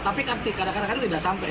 tapi kadang kadang tidak sampai